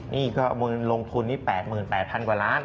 นี่ก็ลงทุนนี่๘๘๐๐กว่าล้าน